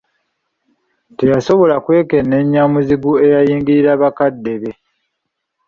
Teyasobola kwekenneenya muzigu eyayingirira bakadde be.